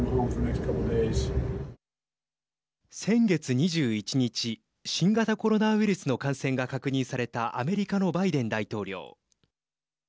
先月２１日新型コロナウイルスの感染が確認されたアメリカのバイデン大統領。